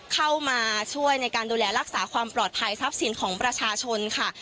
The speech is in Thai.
เข้ามาช่วยในการดูแลรักษาความปลอดภัยทรัพย์สินของประชาชนค่ะ